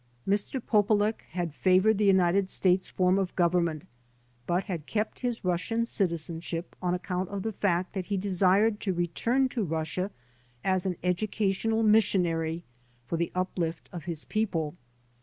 Mr. Polulech had favored the United States form of government but had kept his Russian citizenship on ac count of the fact that he desired to return to Russia as an educational missionary for the uplift of his people.